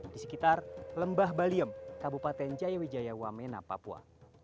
di sekitar lembah baliem kabupaten jayawijaya wamena papua